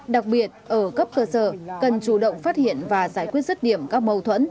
đặc biệt ở cấp cơ sở cần chủ động phát hiện và giải quyết rứt điểm các mâu thuẫn